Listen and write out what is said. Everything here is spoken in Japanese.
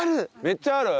めっちゃある？